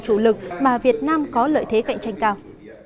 chủ lực mà việt nam có lợi thế cạnh tranh cao